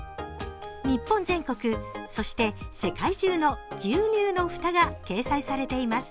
日本全国、そして世界中の牛乳の蓋が掲載されています。